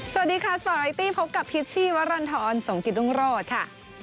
สวัสดีค่ะสปอร์ตไลก์ตี้พบกับพิษชีวรรณฑรสงกิตรุงรอดค่ะ